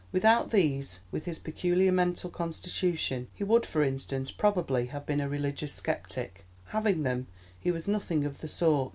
Without these, with his peculiar mental constitution, he would, for instance, probably have been a religious sceptic; having them, he was nothing of the sort.